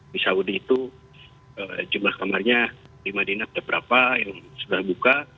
di saudi itu jumlah kamarnya di madinah berapa yang sudah buka